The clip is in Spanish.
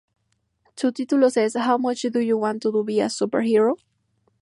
Su subtítulo es "how much do you want to be a super-hero?